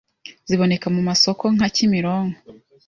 Ziboneka mu masoko nka kimironko,